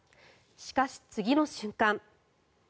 しかし、次の瞬間。